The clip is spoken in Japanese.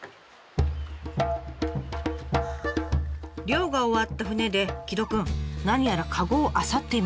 漁が終わった船で城戸くん何やら籠をあさっています。